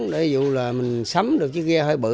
để dù là mình sắm được chiếc ghe hơi bự